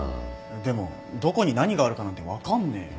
でもどこに何があるかなんて分かんねえよ。